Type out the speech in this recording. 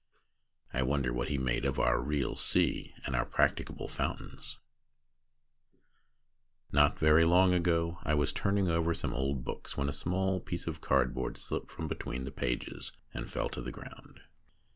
I wonder what he made of our real sea and our practicable fountains ! Not very long ago I was turning over some old books, when a small piece of card board slipped from between the pages and fell to the ground.